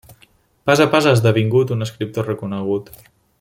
Pas a pas ha esdevingut un escriptor reconegut.